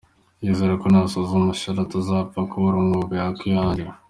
Yizera ko nasoza amashuri ye atazapfa kubura umwuga yakwihangira.